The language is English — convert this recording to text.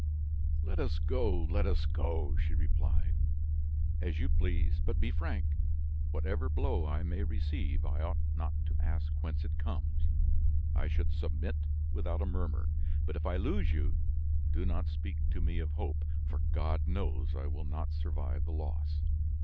"Let us go, let us go!" she replied. "As you please, but be frank; whatever blow I may receive, I ought not to ask whence it comes; I should submit without a murmur. But if I lose you, do not speak to me of hope, for God knows I will not survive the loss."